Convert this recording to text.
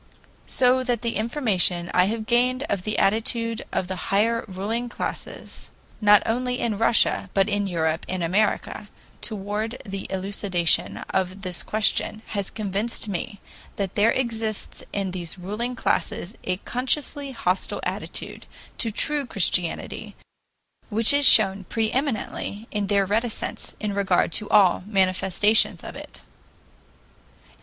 So that the information I have gained of the attitude of the higher ruling classes, not only in Russia but in Europe and America, toward the elucidation of this question has convinced me that there exists in these ruling classes a consciously hostile attitude to true Christianity, which is shown pre eminently in their reticence in regard to all manifestations of it.